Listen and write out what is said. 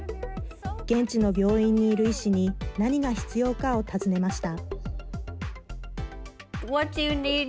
現地の病院にいる医師に何が必要かを尋ねました。